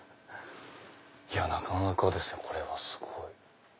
なかなかですねこれすごい。